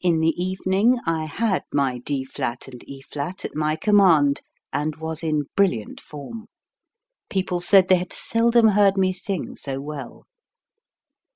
In the evening I had my D flat and E flat at my command and was in brilliant form. Peo ple said they had seldom heard me sing so well.